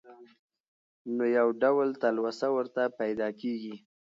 نو يو ډول تلوسه ورته پېدا کيږي.